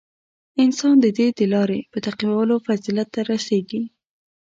• انسان د دې د لارې په تعقیبولو فضیلت ته رسېږي.